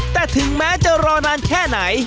แต่ถึงแม้จะรอนานแค่ไหน